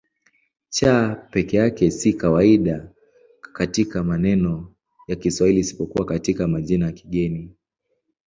C peke yake si kawaida katika maneno ya Kiswahili isipokuwa katika majina ya kigeni.